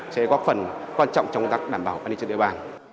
sẽ có phần quan trọng trong công tác đảm bảo an ninh trật tựa bàn